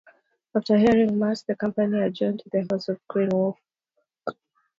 After hearing mass, the company adjourned to the house of the Green Wolf.